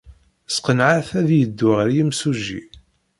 Sqenɛeɣ-t ad yeddu ɣer yimsujji.